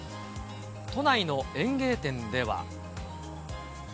都内の園芸店では。